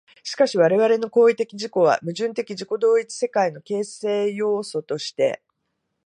しかし我々の行為的自己は、矛盾的自己同一的世界の形成要素として、